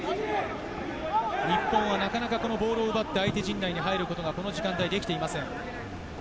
日本はなかなかボールを奪って、相手陣内に入ることが、この時間はできていません。